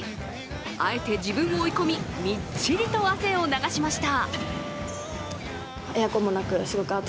あえて自分を追い込みみっちりと汗を流しました。